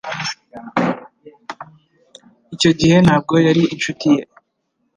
Icyo gihe ntabwo yari inshuti ye